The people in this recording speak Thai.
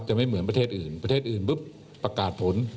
ไม่เหมือนประเทศอื่นประเทศอื่นปุ๊บประกาศผล